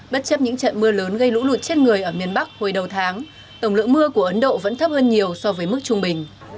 bất chấp những trận mưa lớn gây lũ lụt trên người ở miền bắc hồi đầu tháng tổng lượng mưa của ấn độ vẫn thấp hơn nhiều so với mức trung bình